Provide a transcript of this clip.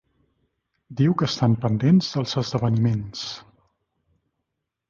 Diu que estan pendents dels esdeveniments.